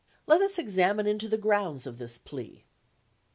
Let us examine into the grounds of this plea.